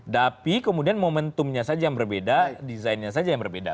tapi kemudian momentumnya saja yang berbeda desainnya saja yang berbeda